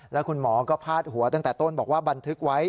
แล้วคุณหมอก็พาดหัวตั้งแต่ต้นบอกว่าบันทึกไว้